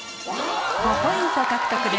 ５ポイント獲得です。